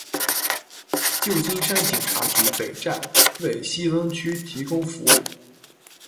旧金山警察局北站为西增区提供服务。